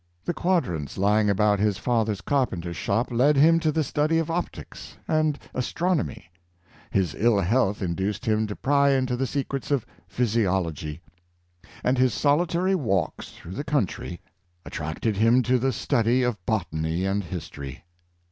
The quadrants lying about his father's carpenter's shop led him to the study of optics and astronomy; his ill health induced him to pry into the secrets of physiology; and his solitary walks through the country attract*»4 Persevering Application and Energy. 171 him to the study of botany and history.